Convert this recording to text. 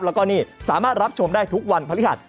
แล้วก็นี่สามารถรับชมได้ทุกวันพฤหัส